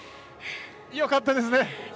よかったですね。